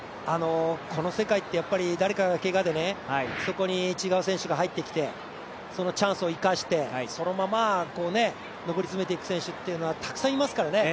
この世界ってやっぱり誰かが、けがでそこに違う選手が入ってきてそのチャンスを生かしてそのまま、上り詰めていく選手っていうのは、たくさんいますから。